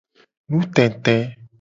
Nutete.